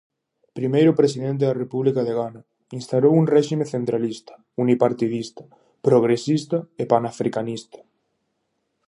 Primeiro presidente da república de Ghana, instaurou un réxime centralista, unipartidista, progresista e panafricanista.